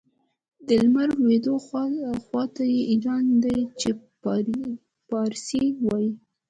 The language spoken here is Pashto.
د لمر لوېدو خواته یې ایران دی چې پارسي وايي.